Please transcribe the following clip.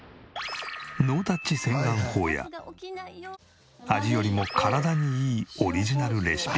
ノータッチ洗顔法や味よりも体にいいオリジナルレシピ。